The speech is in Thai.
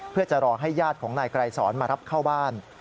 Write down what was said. เพื่อจะรอให้ญาติของนายไกรสอนมารับเข้าบ้าน